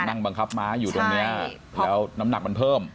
นั่งบังคับม้าอยู่ตรงนี้แล้วน้ำหนักมันเพิ่ม